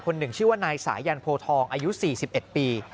หนึ่งชื่อว่านายสายันโพทองอายุ๔๑ปี